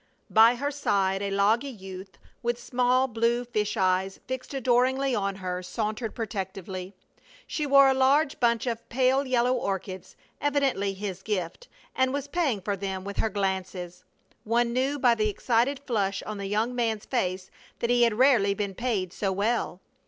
By her side a logy youth, with small, blue fish eyes fixed adoringly on her, sauntered protectingly. She wore a large bunch of pale yellow orchids, evidently his gift, and was paying for them with her glances. One knew by the excited flush on the young man's face that he had rarely been paid so well.